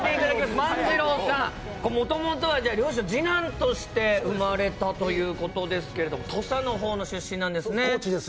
もともとは次男として生まれたということですけど土佐の方の出身なんですね。